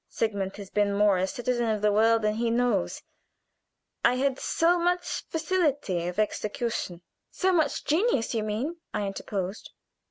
Sigmund has been more a citizen of the world than he knows. I had so much facility of execution " "So much genius, you mean," I interposed.